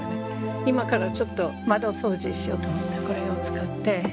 今からちょっと窓掃除しようと思ってこれを使って。